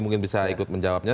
mungkin bisa ikut menjawabnya